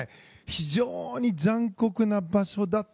非常に残酷な場所だと。